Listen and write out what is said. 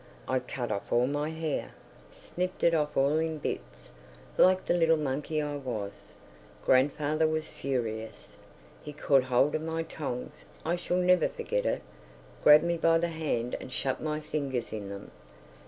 I cut off all my hair; snipped it off all in bits, like the little monkey I was. Grandfather was furious! He caught hold of the tongs—I shall never forget it—grabbed me by the hand and shut my fingers in them.